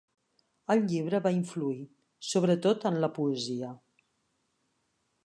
El llibre va influir, sobretot en la poesia.